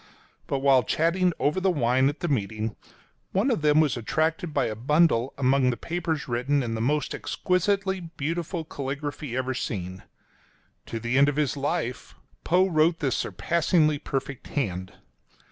But while chatting over the wine at the meeting, one of them was attracted by a bundle among the papers written in the most exquisitely beautiful caligraphy ever seen. — To the end of his life Poe wrote this surpassingly perfect hand.